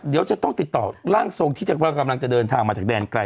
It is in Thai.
เดี๋ยวจะต้องติดต่อร่างทรงที่กำลังจะเดินทางมาจากแดนไกล